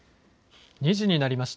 ２時になりました。